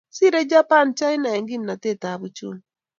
Sirei Japan China eng kimnatetab uchumi